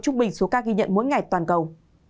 trung bình số ca ghi nhận mỗi ngày toàn cầu